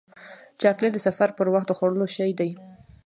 چاکلېټ د سفر پر وخت د خوړلو شی دی.